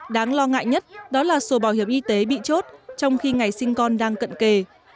đáng lo ngại nhất đó là sổ bảo hiểm y tế bị chốt trong khi ngày sinh con đang cận kề